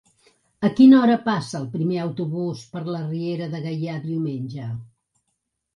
A quina hora passa el primer autobús per la Riera de Gaià diumenge?